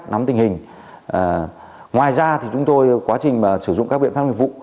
nắm tình hình ngoài ra thì chúng tôi quá trình sử dụng các biện pháp nghiệp vụ